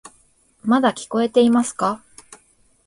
まだ聞こえていますか？